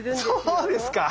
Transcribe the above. そうですか？